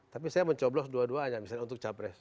tapi saya mencoblos dua duanya misalnya untuk capres